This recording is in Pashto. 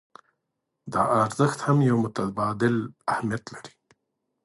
دا ارزښت هم يو متبادل اهميت لري.